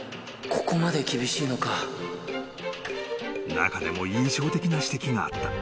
［中でも印象的な指摘があった］